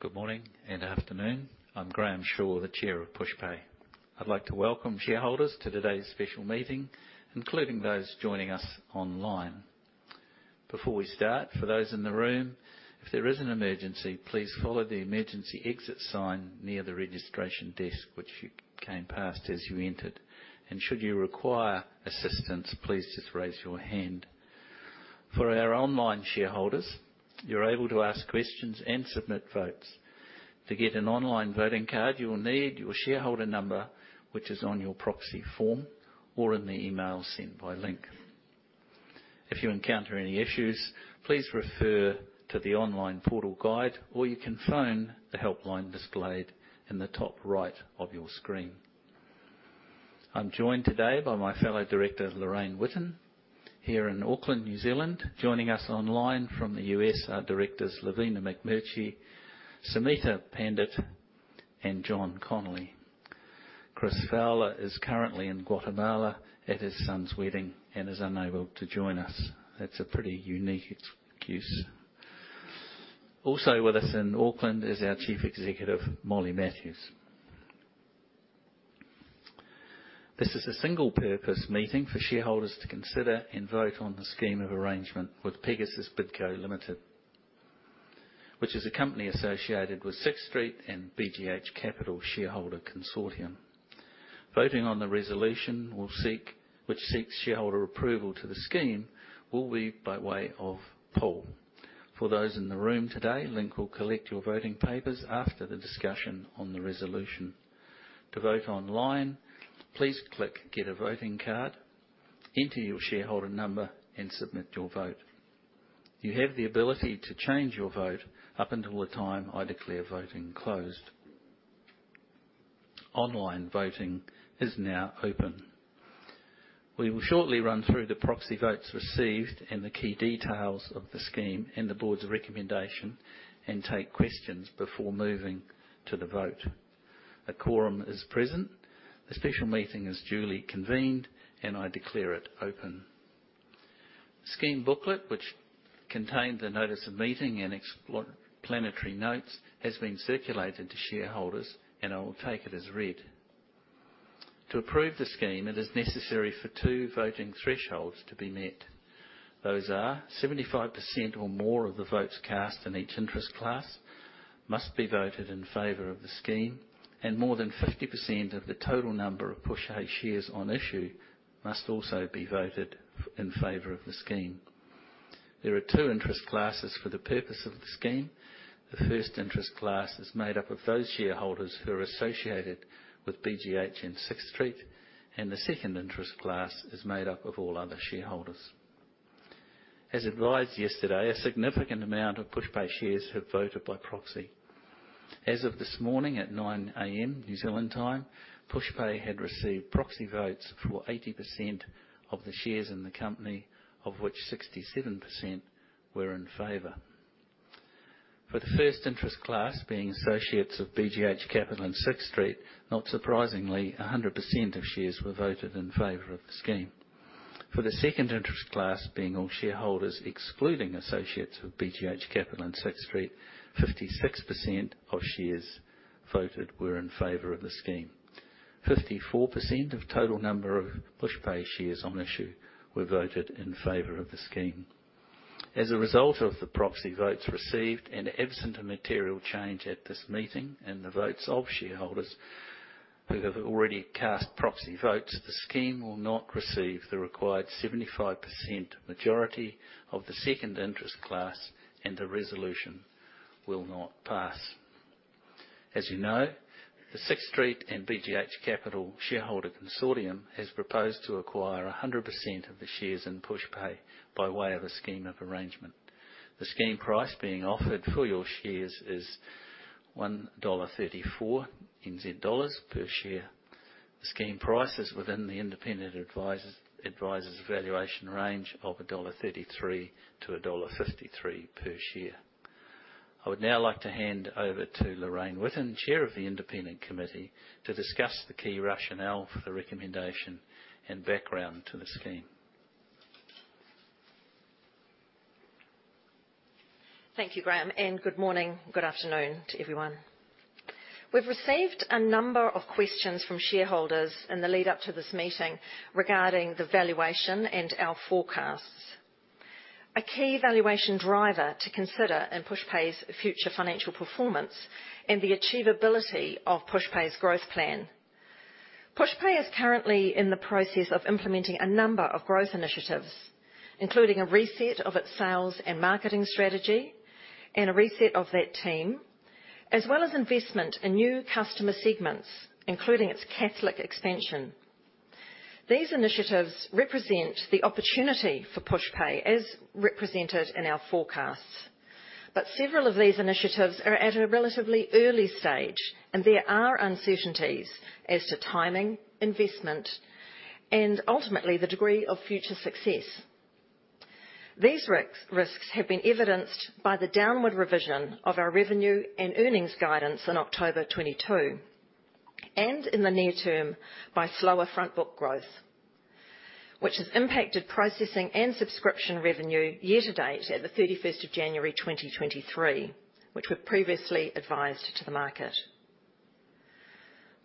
Good morning and afternoon. I'm Graham Shaw, the Chair of Pushpay. I'd like to welcome shareholders to today's special meeting, including those joining us online. Before we start, for those in the room, if there is an emergency, please follow the emergency exit sign near the registration desk, which you came past as you entered. Should you require assistance, please just raise your hand. For our online shareholders, you're able to ask questions and submit votes. To get an online voting card, you will need your shareholder number, which is on your proxy form or in the email sent by Link. If you encounter any issues, please refer to the online portal guide, or you can phone the helpline displayed in the top right of your screen. I'm joined today by my fellow director, Lorraine Witten, here in Auckland, New Zealand. Joining us online from the U.S. are directors Lovina McMurchy, Sumita Pandit, and John Connolly. Chris Fowler is currently in Guatemala at his son's wedding and is unable to join us. That's a pretty unique excuse. Also with us in Auckland is our chief executive, Molly Matthews. This is a single purpose meeting for shareholders to consider and vote on the Scheme of Arrangement with Pegasus Bidco Limited, which is a company associated with Sixth Street and BGH Capital shareholder consortium. Voting on the Resolution which seeks shareholder approval to the Scheme, will be by way of poll. For those in the room today, Link will collect your voting papers after the discussion on the resolution. To vote online, please click Get a voting card, enter your shareholder number and submit your vote. You have the ability to change your vote up until the time I declare voting closed. Online voting is now open. We will shortly run through the proxy votes received and the key details of the Scheme and the board's recommendation and take questions before moving to the vote. A quorum is present. The special meeting is duly convened, and I declare it open. Scheme Booklet, which contained the notice of meeting and explanatory notes, has been circulated to shareholders, and I will take it as read. To approve the Scheme, it is necessary for two voting thresholds to be met. Those are 75% or more of the votes cast in each interest class must be voted in favor of the Scheme and more than 50% of the total number of Pushpay shares on issue must also be voted in favor of the Scheme. There are two interest classes for the purpose of the Scheme. The first interest class is made up of those shareholders who are associated with BGH and Sixth Street. The second interest class is made up of all other shareholders. As advised yesterday, a significant amount of Pushpay shares have voted by proxy. As of this morning at 9:00 A.M. New Zealand time, Pushpay had received proxy votes for 80% of the shares in the company, of which 67% were in favor. For the first interest class, being associates of BGH Capital and Sixth Street, not surprisingly, 100% of shares were voted in favor of the Scheme. For the second interest class, being all shareholders excluding associates of BGH Capital and Sixth Street, 56% of shares voted were in favor of the Scheme. 54% of total number of Pushpay shares on issue were voted in favor of the Scheme. As a result of the proxy votes received and absent a material change at this meeting and the votes of shareholders who have already cast proxy votes, the Scheme will not receive the required 75% majority of the second interest class. The resolution will not pass. As you know, the Sixth Street and BGH Capital shareholder consortium has proposed to acquire 100% of the shares in Pushpay by way of a Scheme of Arrangement. The Scheme price being offered for your shares is 1.34 NZ dollars per share. The Scheme price is within the independent advisers valuation range of 1.33-1.53 dollar per share. I would now like to hand over to Lorraine Witten, chair of the independent committee, to discuss the key rationale for the recommendation and background to the Scheme. Thank you, Graham. Good morning, good afternoon to everyone. We've received a number of questions from shareholders in the lead up to this meeting regarding the valuation and our forecasts. A key valuation driver to consider in Pushpay's future financial performance and the achievability of Pushpay's growth plan. Pushpay is currently in the process of implementing a number of growth initiatives, including a reset of its sales and marketing strategy and a reset of that team, as well as investment in new customer segments, including its Catholic expansion. These initiatives represent the opportunity for Pushpay as represented in our forecasts. Several of these initiatives are at a relatively early stage, and there are uncertainties as to timing, investment, and ultimately the degree of future success. These risks have been evidenced by the downward revision of our revenue and earnings guidance in October 2022 and in the near term by slower front book growth. Which has impacted processing and subscription revenue year to date at the 31st of January 2023, which we've previously advised to the market.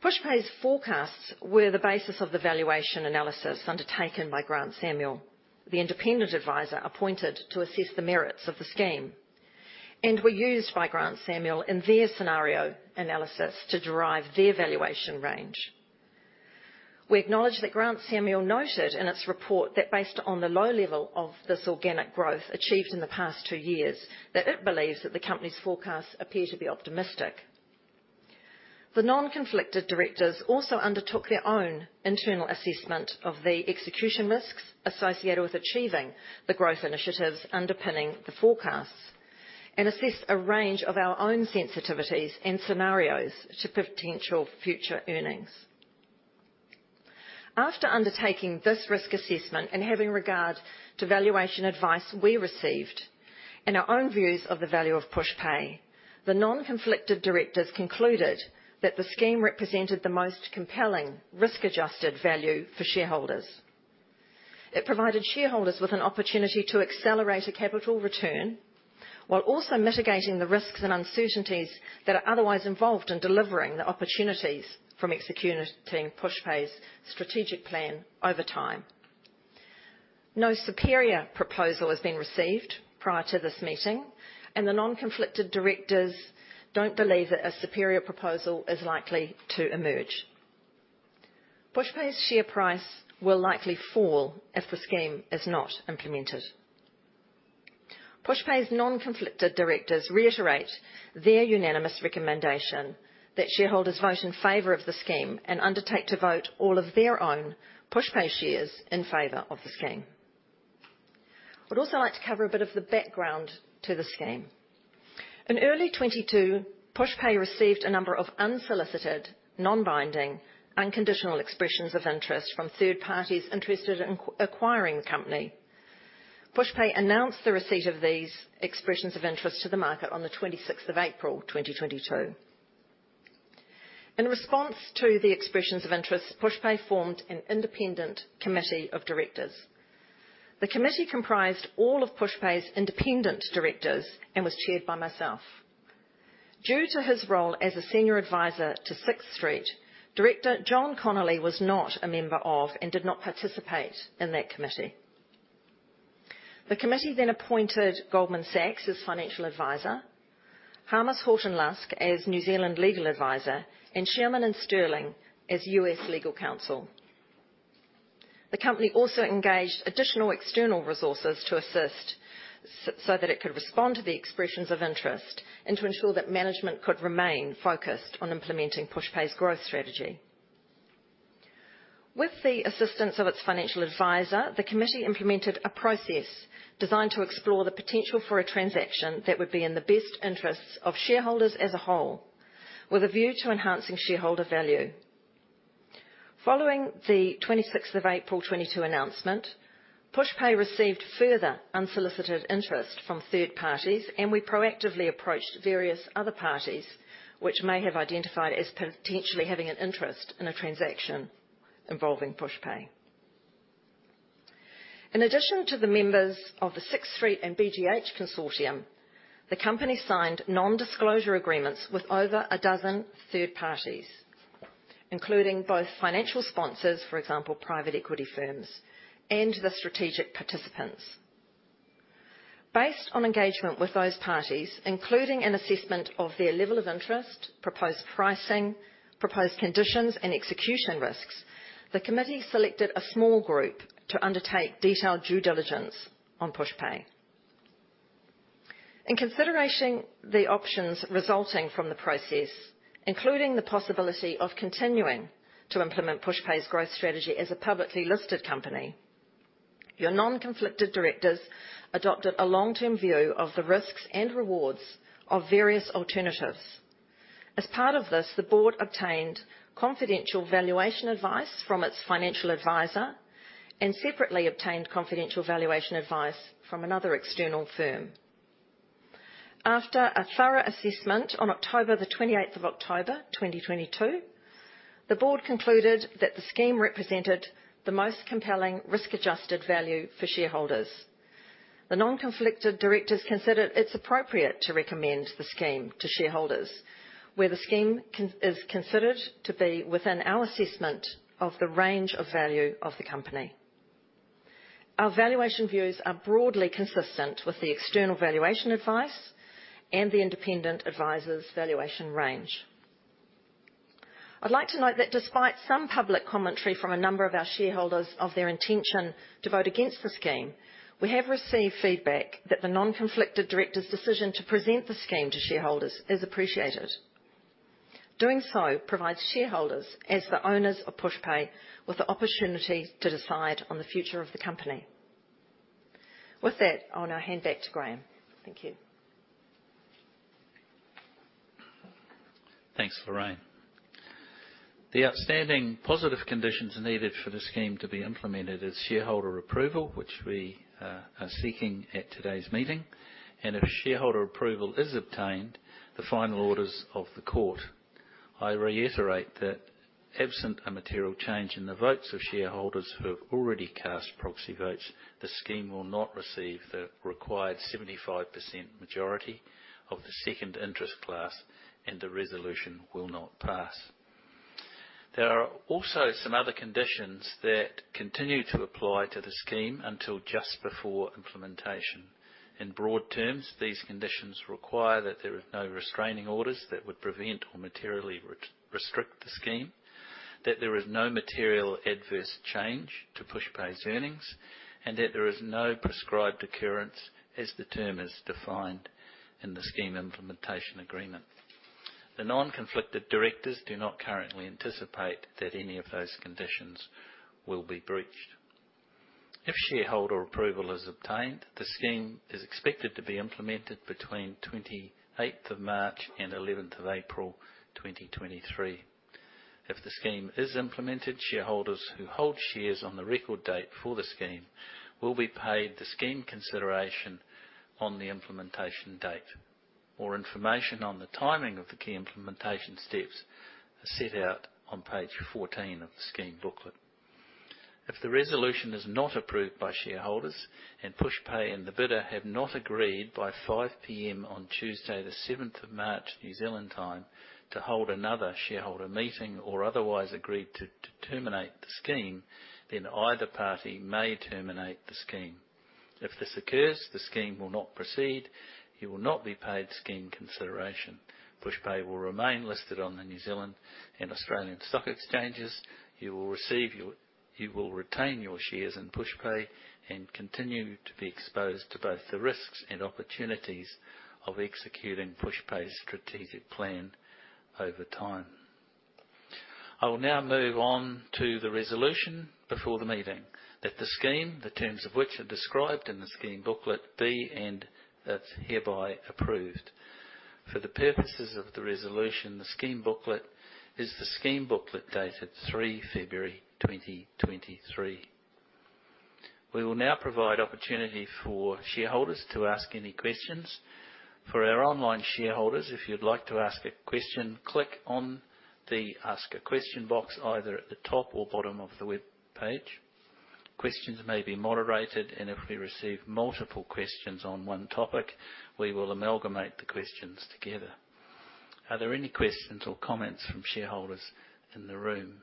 Pushpay's forecasts were the basis of the valuation analysis undertaken by Grant Samuel, the independent advisor appointed to assess the merits of the Scheme, and were used by Grant Samuel in their scenario analysis to derive their valuation range. We acknowledge that Grant Samuel noted in its report that based on the low level of this organic growth achieved in the past two years, that it believes that the company's forecasts appear to be optimistic. The non-conflicted directors also undertook their own internal assessment of the execution risks associated with achieving the growth initiatives underpinning the forecasts and assessed a range of our own sensitivities and scenarios to potential future earnings. After undertaking this risk assessment and having regard to valuation advice we received and our own views of the value of Pushpay, the non-conflicted directors concluded that the Scheme represented the most compelling risk-adjusted value for shareholders. It provided shareholders with an opportunity to accelerate a capital return while also mitigating the risks and uncertainties that are otherwise involved in delivering the opportunities from executing Pushpay's strategic plan over time. No superior proposal has been received prior to this meeting. The non-conflicted directors don't believe that a superior proposal is likely to emerge. Pushpay's share price will likely fall if the Scheme is not implemented. Pushpay's non-conflicted directors reiterate their unanimous recommendation that shareholders vote in favor of the Scheme and undertake to vote all of their own Pushpay shares in favor of the Scheme. I'd also like to cover a bit of the background to the Scheme. In early 2022, Pushpay received a number of unsolicited, non-binding, unconditional expressions of interest from third parties interested in acquiring the company. Pushpay announced the receipt of these expressions of interest to the market on the 26th of April, 2022. In response to the expressions of interest, Pushpay formed an independent committee of directors. The committee comprised all of Pushpay's independent directors and was chaired by myself. Due to his role as a senior advisor to Sixth Street, Director John Connolly was not a member of and did not participate in that committee. The committee appointed Goldman Sachs as financial advisor, Harmos Horton Lusk as New Zealand legal advisor, and Shearman & Sterling as U.S. legal counsel. The company also engaged additional external resources to assist so that it could respond to the expressions of interest and to ensure that management could remain focused on implementing Pushpay's growth strategy. With the assistance of its financial advisor, the committee implemented a process designed to explore the potential for a transaction that would be in the best interests of shareholders as a whole, with a view to enhancing shareholder value. Following the 26th of April 2022 announcement, Pushpay received further unsolicited interest from third parties. We proactively approached various other parties which may have identified as potentially having an interest in a transaction involving Pushpay. In addition to the members of the Sixth Street and BGH consortium, the company signed non-disclosure agreements with over a dozen third parties, including both financial sponsors, for example, private equity firms and the strategic participants. Based on engagement with those parties, including an assessment of their level of interest, proposed pricing, proposed conditions, and execution risks, the committee selected a small group to undertake detailed due diligence on Pushpay. In consideration the options resulting from the process, including the possibility of continuing to implement Pushpay's growth strategy as a publicly listed company, your non-conflicted directors adopted a long-term view of the risks and rewards of various alternatives. As part of this, the board obtained confidential valuation advice from its financial advisor and separately obtained confidential valuation advice from another external firm. After a thorough assessment on October... The 28th of October, 2022, the board concluded that the Scheme represented the most compelling risk-adjusted value for shareholders. The non-conflicted directors considered it's appropriate to recommend the Scheme to shareholders, where the Scheme is considered to be within our assessment of the range of value of the company. Our valuation views are broadly consistent with the external valuation advice and the independent advisor's valuation range. I'd like to note that despite some public commentary from a number of our shareholders of their intention to vote against the Scheme, we have received feedback that the non-conflicted directors' decision to present the Scheme to shareholders is appreciated. Doing so provides shareholders, as the owners of Pushpay, with the opportunity to decide on the future of the company. With that, I'll now hand back to Graham. Thank you. Thanks, Lorraine. The outstanding positive conditions needed for the Scheme to be implemented is shareholder approval, which we are seeking at today's meeting. If shareholder approval is obtained, the final orders of the court. I reiterate that absent a material change in the votes of shareholders who have already cast proxy votes, the Scheme will not receive the required 75% majority of the second interest class, and the resolution will not pass. There are also some other conditions that continue to apply to the Scheme until just before implementation. In broad terms, these conditions require that there are no restraining orders that would prevent or materially re-restrict the Scheme, that there is no material adverse change to Pushpay's earnings, and that there is no prescribed occurrence as the term is defined in the Scheme Implementation Agreement. The non-conflicted directors do not currently anticipate that any of those conditions will be breached. If shareholder approval is obtained, the Scheme is expected to be implemented between 28th of March and 11th of April 2023. If the Scheme is implemented, shareholders who hold shares on the Record Date for the Scheme will be paid the Scheme Consideration on the Implementation Date. More information on the timing of the key implementation steps are set out on page 14 of the Scheme Booklet. If the resolution is not approved by shareholders and Pushpay and the bidder have not agreed by 5:00 P.M. on Tuesday the 7th of March, New Zealand time, to hold another shareholder meeting or otherwise agreed to terminate the Scheme, either party may terminate the Scheme. If this occurs, the Scheme will not proceed. You will not be paid Scheme Consideration. Pushpay will remain listed on the New Zealand and Australian Securities Exchange. You will retain your shares in Pushpay and continue to be exposed to both the risks and opportunities of executing Pushpay's strategic plan over time. I will now move on to the resolution before the meeting. That the Scheme, the terms of which are described in the Scheme Booklet, be and are hereby approved. For the purposes of the resolution, the Scheme Booklet is the Scheme Booklet dated 3 February 2023. We will now provide opportunity for shareholders to ask any questions. For our online shareholders, if you'd like to ask a question, click on the Ask a Question box either at the top or bottom of the webpage. Questions may be moderated, if we receive multiple questions on one topic, we will amalgamate the questions together. Are there any questions or comments from shareholders in the room?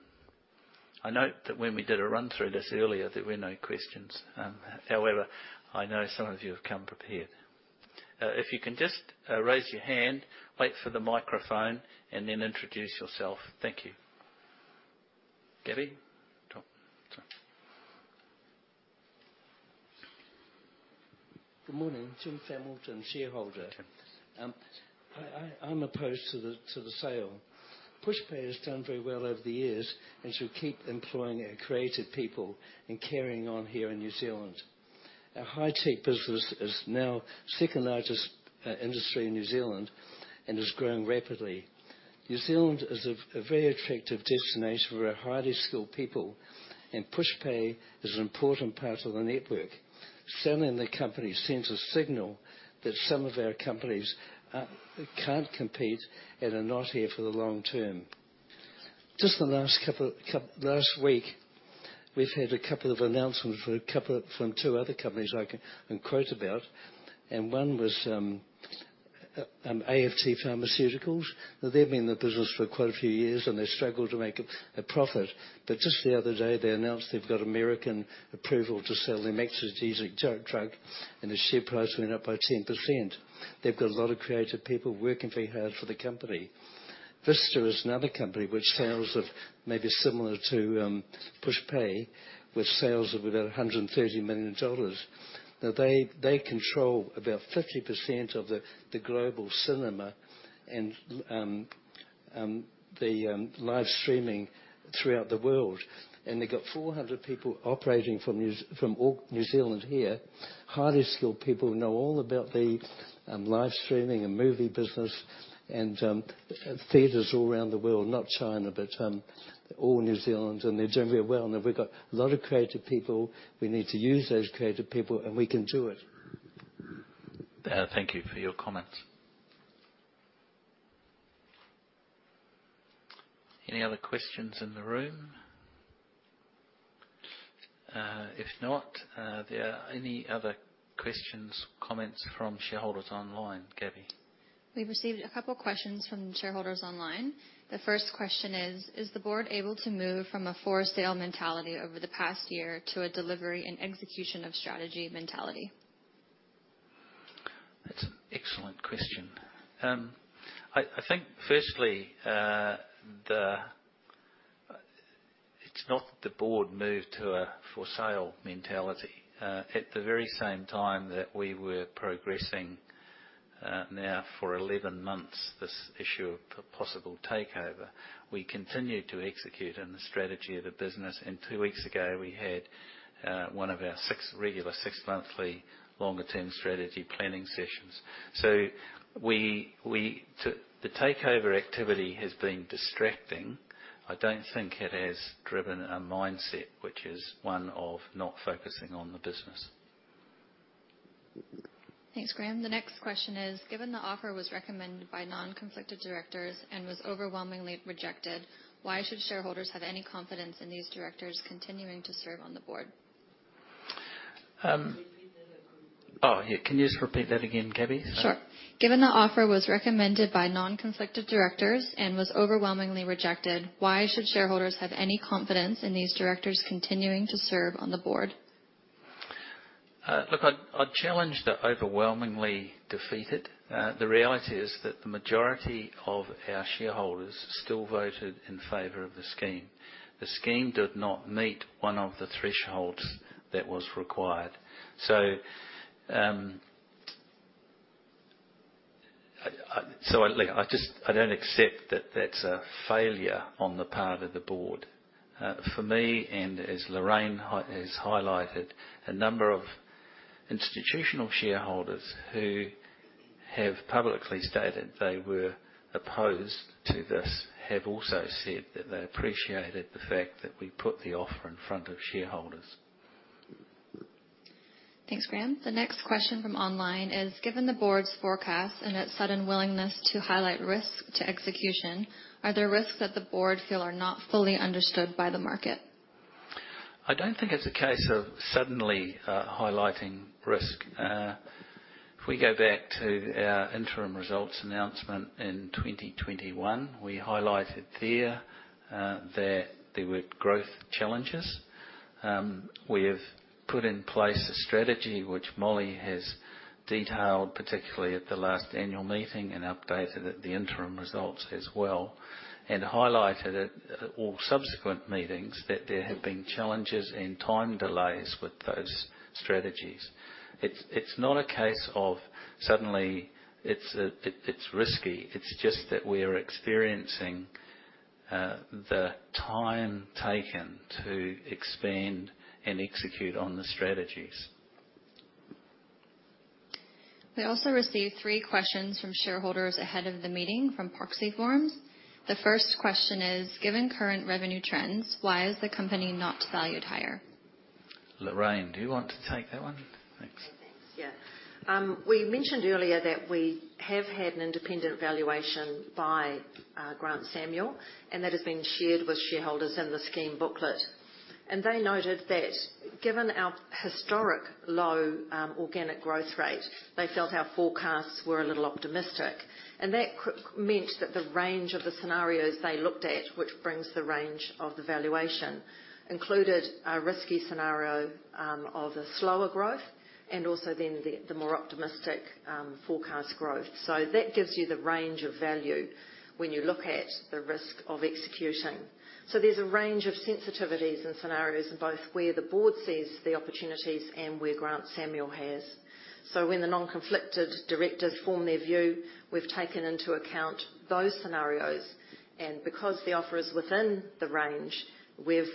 I note that when we did a run through this earlier, there were no questions. However, I know some of you have come prepared. If you can just, raise your hand, wait for the microphone, and then introduce yourself. Thank you. Gabby? Top. Good morning. Jim Hamilton, shareholder. Okay. I'm opposed to the sale. Pushpay has done very well over the years and should keep employing our creative people in carrying on here in New Zealand. Our high tech business is now second largest industry in New Zealand and is growing rapidly. New Zealand is a very attractive destination for our highly skilled people, and Pushpay is an important part of the network. Selling the company sends a signal that some of our companies can't compete and are not here for the long term. Just the last couple last week, we've had a couple of announcements from two other companies I can quote about, and one was AFT Pharmaceuticals. They've been in the business for quite a few years, and they struggle to make a profit. Just the other day, they announced they've got American approval to sell their max doses of drug, and the share price went up by 10%. They've got a lot of creative people working very hard for the company. Vista is another company which sales of maybe similar to Pushpay, with sales of about 130 million dollars. They control about 50% of the global cinema and live streaming throughout the world. They got 400 people operating from all New Zealand here. Highly skilled people who know all about the live streaming and movie business and theaters all around the world. Not China, but all New Zealand, and they're doing very well. We've got a lot of creative people. We need to use those creative people, and we can do it. Thank you for your comments. Any other questions in the room? If not, are there any other questions, comments from shareholders online, Gabby? We've received a couple questions from shareholders online. The first question is: Is the board able to move from a for-sale mentality over the past year to a delivery and execution of strategy mentality? That's an excellent question. I think firstly, it's not the board moved to a for-sale mentality. At the very same time that we were progressing, now for 11 months this issue of a possible takeover. We continued to execute on the strategy of the business. Two weeks ago, we had one of our six regular six monthly longer term strategy planning sessions. The takeover activity has been distracting. I don't think it has driven a mindset which is one of not focusing on the business. Thanks, Graham. The next question is: Given the offer was recommended by non-conflicted directors and was overwhelmingly rejected, why should shareholders have any confidence in these directors continuing to serve on the board? Um- Can you repeat that again? Oh, yeah. Can you just repeat that again, Gabby? Sorry. Sure. Given the offer was recommended by non-conflicted directors and was overwhelmingly rejected, why should shareholders have any confidence in these directors continuing to serve on the board? Look, I'd challenge the overwhelmingly defeated. The reality is that the majority of our shareholders still voted in favor of the Scheme. The Scheme did not meet one of the thresholds that was required. Look, I just don't accept that that's a failure on the part of the board. For me, and as Lorraine Witten has highlighted, a number of institutional shareholders who have publicly stated they were opposed to this, have also said that they appreciated the fact that we put the offer in front of shareholders. Thanks, Graham. The next question from online is: Given the board's forecast and its sudden willingness to highlight risk to execution, are there risks that the board feel are not fully understood by the market? I don't think it's a case of suddenly highlighting risk. If we go back to our interim results announcement in 2021, we highlighted there that there were growth challenges. We have put in place a strategy which Molly has detailed, particularly at the last annual meeting, and updated at the interim results as well. Highlighted at all subsequent meetings that there have been challenges and time delays with those strategies. It's not a case of suddenly it's risky. It's just that we're experiencing the time taken to expand and execute on the strategies. We also received three questions from shareholders ahead of the meeting from proxy forms. The first question is: Given current revenue trends, why is the company not valued higher? Lorraine, do you want to take that one? Thanks. Okay, thanks. Yeah. We mentioned earlier that we have had an independent valuation by Grant Samuel, and that is being shared with shareholders in the Scheme Booklet. They noted that given our historic low organic growth rate, they felt our forecasts were a little optimistic. That meant that the range of the scenarios they looked at, which brings the range of the valuation, included a risky scenario of a slower growth and also then the more optimistic forecast growth. That gives you the range of value when you look at the risk of executing. There's a range of sensitivities and scenarios in both where the board sees the opportunities and where Grant Samuel has. When the non-conflicted directors form their view, we've taken into account those scenarios. Because the offer is within the range, we've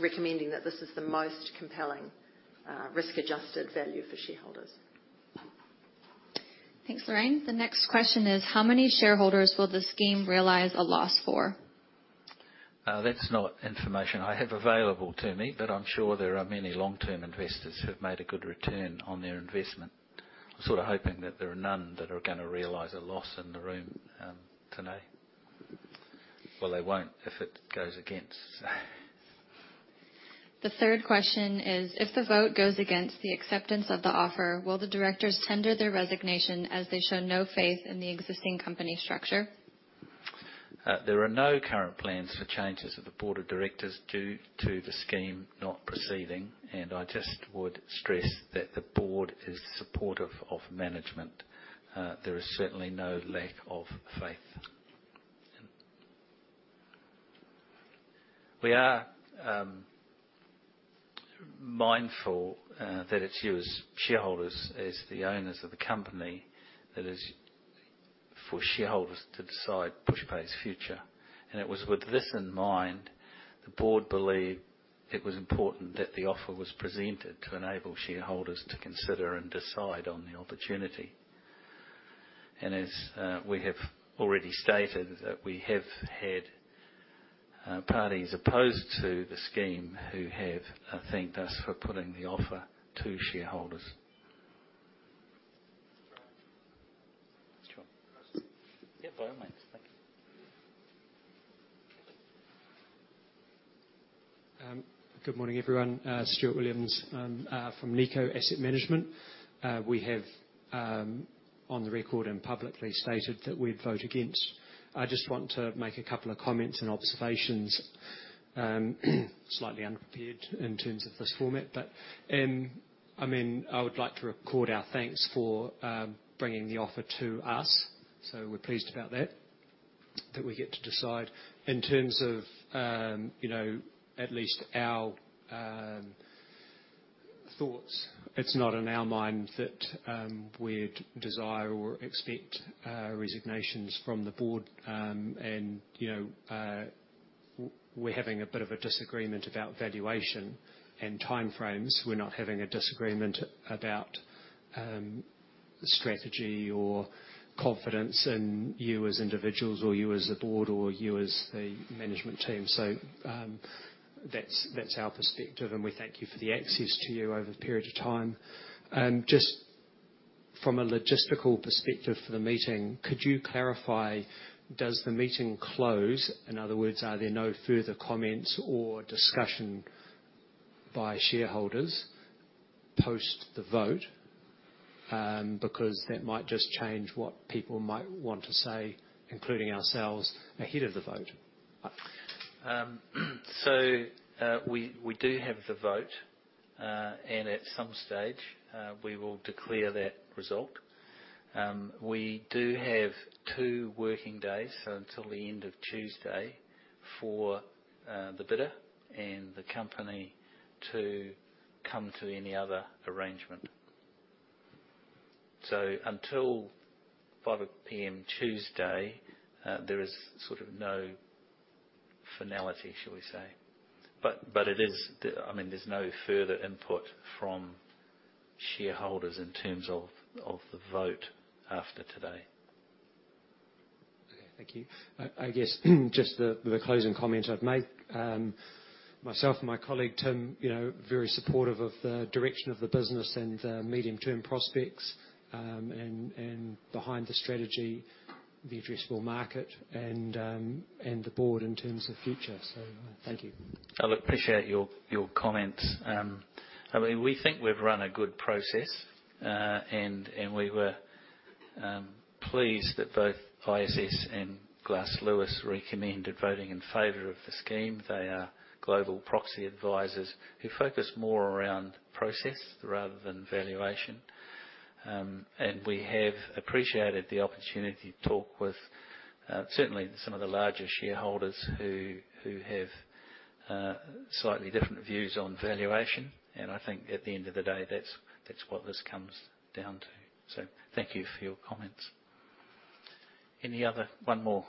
recommending that this is the most compelling risk-adjusted value for shareholders. Thanks, Lorraine. The next question is: How many shareholders will the Scheme realize a loss for? That's not information I have available to me. I'm sure there are many long-term investors who have made a good return on their investment. Sort of hoping that there are none that are gonna realize a loss in the room today. They won't if it goes against. The third question is: If the vote goes against the acceptance of the offer, will the directors tender their resignation as they show no faith in the existing company structure? There are no current plans for changes of the Board of Directors due to the Scheme not proceeding, and I just would stress that the board is supportive of management. There is certainly no lack of faith. We are mindful that it's you as shareholders, as the owners of the company, that is for shareholders to decide Pushpay's future. It was with this in mind, the board believed it was important that the offer was presented to enable shareholders to consider and decide on the opportunity. As we have already stated, that we have had parties opposed to the Scheme who have thanked us for putting the offer to shareholders. Sure. Yeah, by all means. Thank you. Good morning, everyone. Stuart Williams from Nikko Asset Management. We have on the record and publicly stated that we'd vote against. I just want to make a couple of comments and observations, slightly unprepared in terms of this format. I mean, I would like to record our thanks for bringing the offer to us. We're pleased about that. That we get to decide. In terms of, you know, at least our thoughts, it's not in our mind that we'd desire or expect resignations from the board. You know, we're having a bit of a disagreement about valuation and time frames. We're not having a disagreement about strategy or confidence in you as individuals or you as a board or you as the management team. That's our perspective and we thank you for the access to you over the period of time. Just from a logistical perspective for the meeting, could you clarify, does the meeting close? In other words, are there no further comments or discussion by shareholders post the vote? Because that might just change what people might want to say, including ourselves ahead of the vote. We do have the vote. At some stage, we will declare that result. We do have two working days, so until the end of Tuesday for the bidder and the company to come to any other arrangement. Until 5:00 P.M. Tuesday, there is sort of no finality, shall we say. It is... I mean, there's no further input from shareholders in terms of the vote after today. Okay. Thank you. I guess, just the closing comment I'd make. Myself and my colleague Tim, you know, very supportive of the direction of the business and the medium-term prospects, and behind the strategy, the addressable market and the board in terms of future. Thank you. I appreciate your comments. I mean, we think we've run a good process, and we were pleased that both ISS and Glass Lewis recommended voting in favor of the Scheme. They are global proxy advisors who focus more around process rather than valuation. We have appreciated the opportunity to talk with certainly some of the larger shareholders who have slightly different views on valuation. I think at the end of the day, that's what this comes down to. Thank you for your comments. Any other... One more.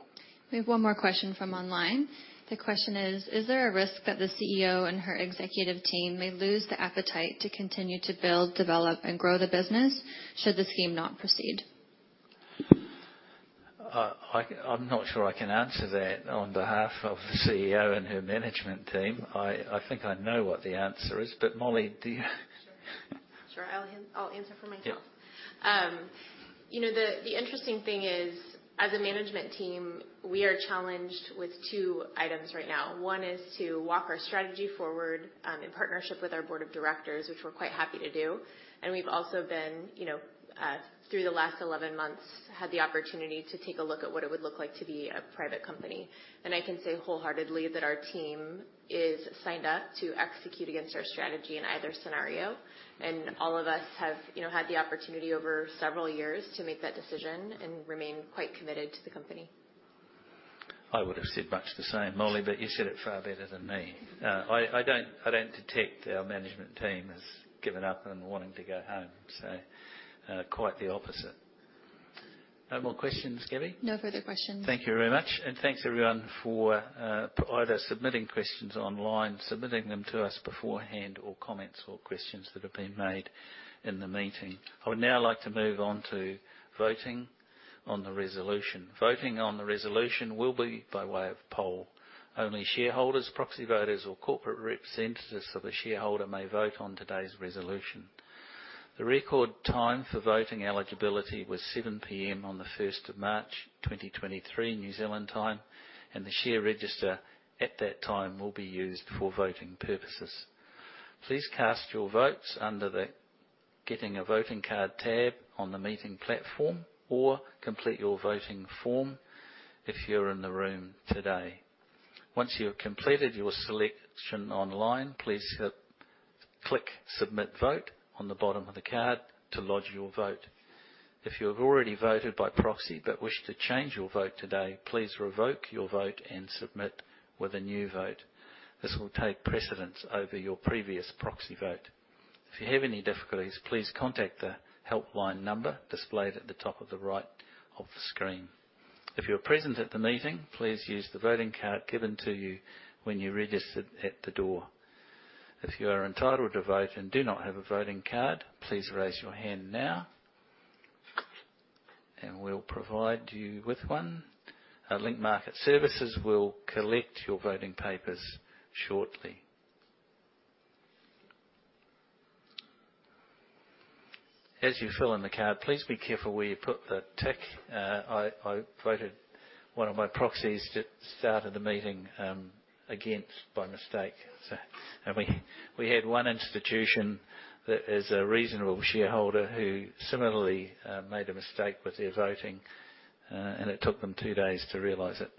We have one more question from online. The question is: Is there a risk that the CEO and her executive team may lose the appetite to continue to build, develop, and grow the business should the Scheme not proceed? I'm not sure I can answer that on behalf of the CEO and her management team. I think I know what the answer is, but Molly, do you? Sure. I'll answer for myself. Yeah. You know, the interesting thing is, as a management team, we are challenged with two items right now. One is to walk our strategy forward, in partnership with our Board of Directors, which we're quite happy to do. We've also been, you know, through the last 11 months, had the opportunity to take a look at what it would look like to be a private company. I can say wholeheartedly that our team is signed up to execute against our strategy in either scenario. All of us have, you know, had the opportunity over several years to make that decision and remain quite committed to the company. I would have said much the same, Molly, but you said it far better than me. I don't detect our management team has given up and wanting to go home. Quite the opposite. No more questions, Gabby? No further questions. Thank you very much. Thanks everyone for either submitting questions online, submitting them to us beforehand, or comments or questions that have been made in the meeting. I would now like to move on to voting on the resolution. Voting on the resolution will be by way of poll. Only shareholders, proxy voters or corporate representatives of the shareholder may vote on today's resolution. The record time for voting eligibility was 7:00 P.M. on the 1st of March, 2023 New Zealand time, and the share register at that time will be used for voting purposes. Please cast your votes under the Getting a Voting Card tab on the meeting platform or complete your voting form if you're in the room today. Once you have completed your selection online, please click Submit Vote on the bottom of the card to lodge your vote. If you have already voted by proxy but wish to change your vote today, please revoke your vote and submit with a new vote. This will take precedence over your previous proxy vote. If you have any difficulties, please contact the helpline number displayed at the top of the right of the screen. If you're present at the meeting, please use the voting card given to you when you registered at the door. If you are entitled to vote and do not have a voting card, please raise your hand now, and we'll provide you with one. Our Link Market Services will collect your voting papers shortly. As you fill in the card, please be careful where you put the tick. I voted one of my proxies to start of the meeting, against by mistake. We had one institution that is a reasonable shareholder who similarly made a mistake with their voting and it took them two days to realize it.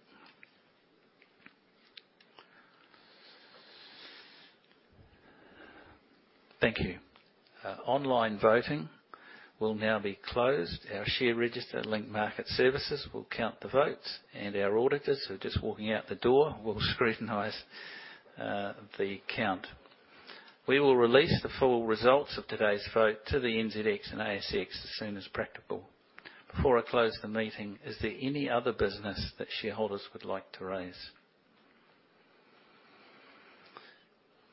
Thank you. Online voting will now be closed. Our share register, Link Market Services, will count the votes and our auditors who are just walking out the door will scrutinize the count. We will release the full results of today's vote to the NZX and ASX as soon as practical. Before I close the meeting, is there any other business that shareholders would like to raise?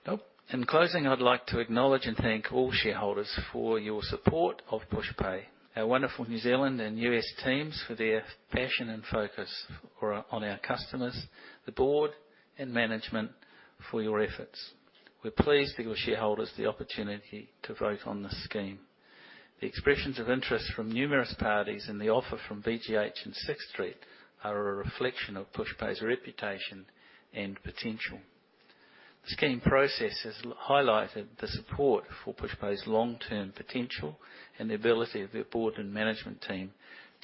Nope. In closing, I'd like to acknowledge and thank all shareholders for your support of Pushpay, our wonderful New Zealand and U.S. teams for their passion and focus on our customers, the board, and management for your efforts. We're pleased to give shareholders the opportunity to vote on this Scheme. The expressions of interest from numerous parties and the offer from BGH and Sixth Street are a reflection of Pushpay's reputation and potential. The Scheme process has highlighted the support for Pushpay's long-term potential and the ability of their board and management team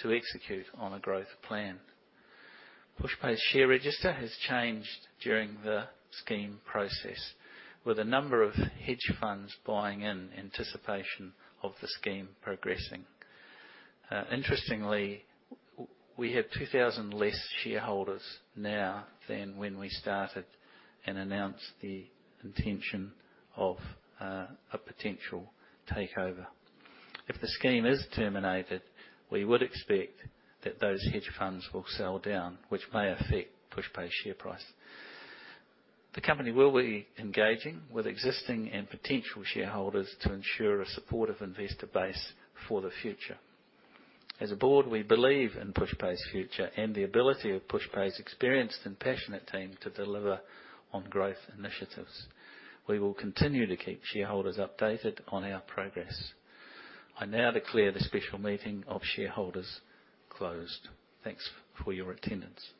to execute on a growth plan. Pushpay's share register has changed during the Scheme process, with a number of hedge funds buying in anticipation of the Scheme progressing. Interestingly, we have 2,000 less shareholders now than when we started and announced the intention of a potential takeover. If the Scheme is terminated, we would expect that those hedge funds will sell down, which may affect Pushpay's share price. The company will be engaging with existing and potential shareholders to ensure a supportive investor base for the future. As a board, we believe in Pushpay's future and the ability of Pushpay's experienced and passionate team to deliver on growth initiatives. We will continue to keep shareholders updated on our progress. I now declare the special meeting of shareholders closed. Thanks for your attendance.